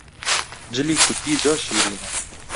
جلی کوردی زۆر شیرینە